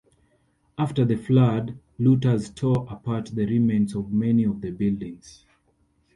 After the flood, looters tore apart the remains of many of the buildings.